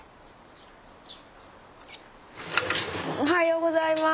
おはようございます。